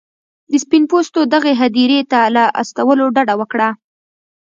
د سپین پوستو دغې هدیرې ته له استولو ډډه وکړه.